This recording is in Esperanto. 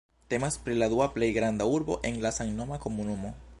Temas pri la dua plej granda urbo en la samnoma komunumo.